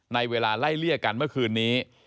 ในเวลาไล่เลี่ยกันเมื่อคืนนี้